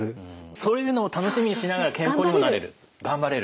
そういうのを楽しみにしながら健康にもなれる頑張れるという。